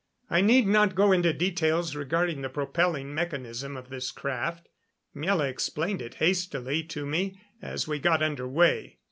I need not go into details regarding the propelling mechanism of this craft. Miela explained it hastily to me as we got under way.